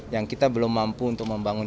yang kita belum mampu untuk membangun